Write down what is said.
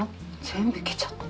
全部いけちゃった。